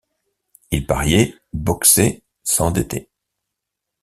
Il pariait, boxait, s’endettait.